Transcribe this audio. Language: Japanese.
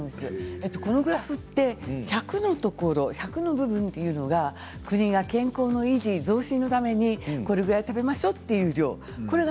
このグラフは１００のところ１００の部分というのが国が健康の維持増進のためにこれぐらい食べましょうという量です。